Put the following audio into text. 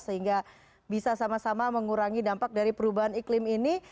sehingga bisa sama sama mengurangi dampak dari perubahan iklim ini